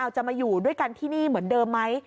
จะมาอยู่ด้วยกันที่นี่เหมือนเดิมไหม